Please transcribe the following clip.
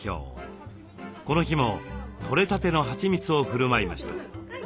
この日もとれたてのはちみつをふるまいました。